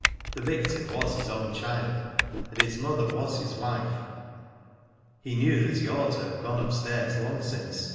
The victim was his own child, and its mother was his wife. He knew that he ought to have gone up stairs long since.